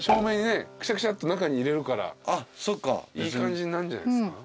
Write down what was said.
くしゃくしゃっと中に入れるからいい感じになんじゃないですか？